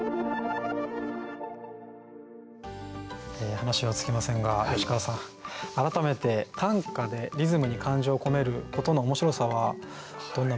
話は尽きませんが吉川さん改めて短歌でリズムに感情を込めることの面白さはどんな部分でしょうか？